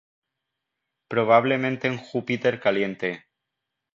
Probablemente un Júpiter caliente.